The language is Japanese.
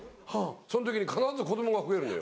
その時に必ず子供が増えるのよ。